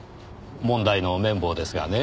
問題の綿棒ですがね